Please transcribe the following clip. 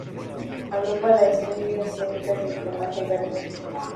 Agrupa las especies asiáticas de plumaje verde.